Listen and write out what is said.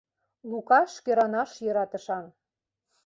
Лукаш кӧранаш йӧратышан.